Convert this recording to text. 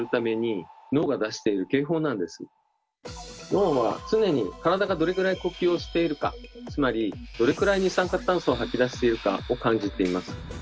脳は常に「体がどれくらい呼吸をしているか」つまり「どれくらい二酸化炭素を吐き出しているか」を感じています。